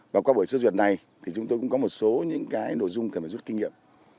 và qua buổi sơ duyệt này thì chúng tôi cũng có một số những cái nội dung cần phải rút kinh nghiệm